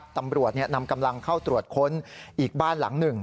ตำรวจนำกำลังเข้าตรวจค้นอีกบ้านหลังหนึ่ง